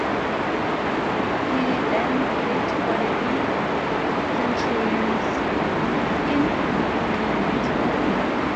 He then played for the Leigh Centurions in England.